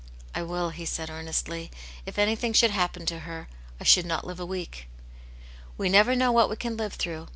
" I will," he said earnestly. " If anything should happen to her, I should not live a week." " We never know what we can live through.